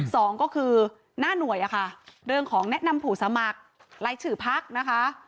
สองก็คือหน้าหน่วยอะค่ะเรื่องของแนะนำผู้สมัครรายชื่อพักนะคะ